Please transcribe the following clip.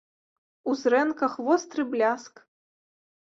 У зрэнках востры бляск.